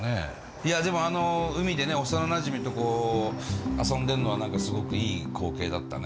いやでもあの海でね幼なじみと遊んでんのは何かすごくいい光景だったね。